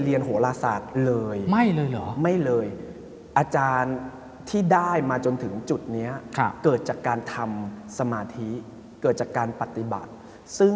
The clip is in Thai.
ไล่ตามทุกวัน